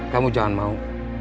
kamu jangan mau